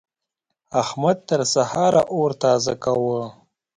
احمد تر سهار اور تازه کاوو.